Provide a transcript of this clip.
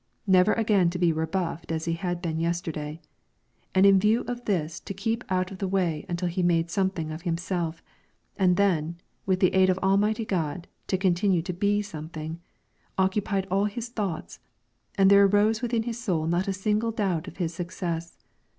Never again to be rebuffed as he had been yesterday, and in view of this to keep out of the way until he made something of himself, and then, with the aid of Almighty God, to continue to be something, occupied all his thoughts, and there arose within his soul not a single doubt of his success.